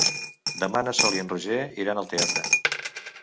Demà na Sol i en Roger iran al teatre.